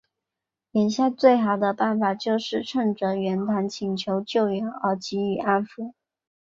眼下最好的办法就是趁袁谭请求救援而予以安抚。